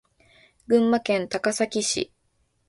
群馬県高崎市